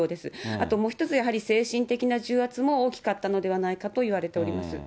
あともう一つ、精神的な重圧も大きかったのではないかといわれております。